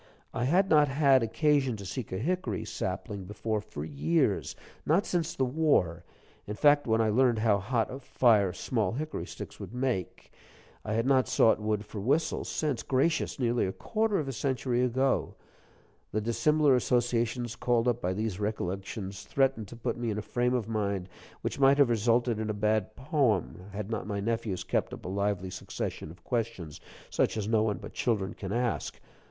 I had not had occasion to seek a hickory sapling before for years; not since the war, in fact, when I learned how hot a fire small hickory sticks would make. I had not sought wood for whistles since gracious, nearly a quarter of a century ago! The dissimilar associations called up by these recollections threatened to put me in a frame of mind which might have resulted in a bad poem, had not my nephews kept up a lively succession of questions such as no one but children can ask.